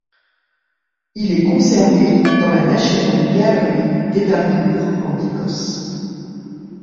Il est conservé dans la National Gallery d'Édimbourg, en Écosse.